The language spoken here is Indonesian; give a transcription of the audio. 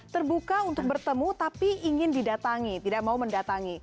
terbuka untuk bertemu tapi ingin didatangi tidak mau mendatangi